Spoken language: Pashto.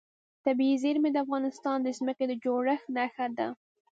طبیعي زیرمې د افغانستان د ځمکې د جوړښت نښه ده.